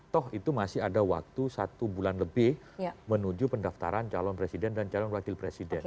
toh itu masih ada waktu satu bulan lebih menuju pendaftaran calon presiden dan calon wakil presiden